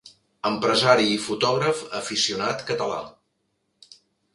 Empresari i fotògraf aficionat català.